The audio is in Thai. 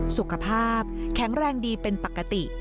สุขภาพแข็งแรงดีเป็นปกติ